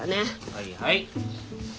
はいはい。